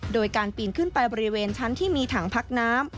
โดยการปีนขึ้นไปบริเวณชั้นที่มีถังพักน้ำ